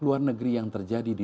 luar negeri yang terjadi di